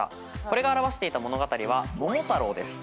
これが表していた物語は『桃太郎』です。